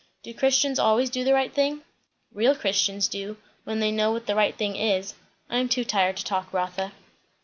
"Do Christians always do the right thing?" "Real Christians do, when they know what the right thing is. I am too tired to talk, Rotha."